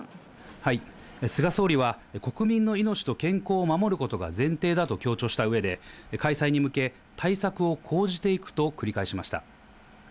菅総理は、国民の命と健康を守ることが前提だと強調したうえで、開催に向け、対策を講じていくと繰り返しました。